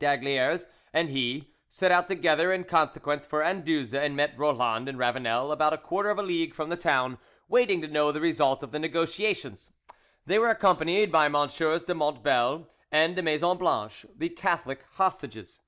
D'Aygaliers and he set out together in consequence for Anduze, and met Roland and Ravanel about a quarter of a league from the town, waiting to know the result of the negotiations. They were accompanied by MM. de Montbel and de Maison Blanche, the Catholic hostages.